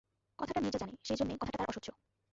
কথাটা নীরজা জানে, সেইজন্যে কথাটা তার অসহ্য।